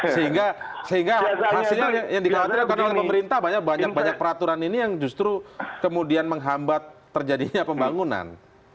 sehingga hasilnya yang dikhawatirkan oleh pemerintah banyak banyak peraturan ini yang justru kemudian menghambat terjadinya pembangunan